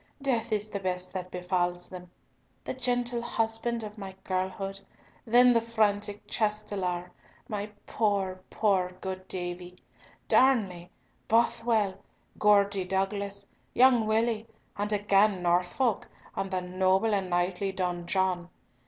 Death is the best that befalls them! The gentle husband of my girlhood—then the frantic Chastelar, my poor, poor good Davie, Darnley, Bothwell, Geordie Douglas, young Willie, and again Norfolk, and the noble and knightly Don John!